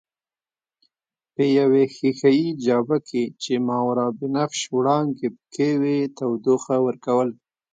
په یوې ښیښه یي جابه کې چې ماورابنفش وړانګې پکښې وې تودوخه ورکول.